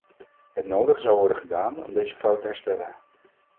Het nodige zal worden gedaan om deze fout te herstellen.